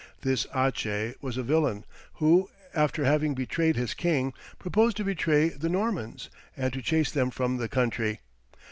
This Ache was a villain, who after having betrayed his king, proposed to betray the Normans, and to chase them from the country.